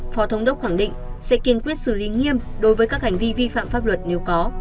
phó thống đốc khẳng định sẽ kiên quyết xử lý nghiêm đối với các hành vi vi phạm pháp luật nếu có